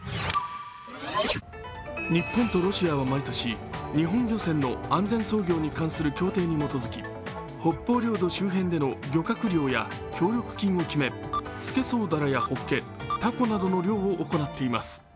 日本とロシアは毎年、日本漁船の安全操業に関する協定に基づき北方領土周辺での漁獲量や協力金を決めすけそうだらやほっけ、たこなどの漁を行っています。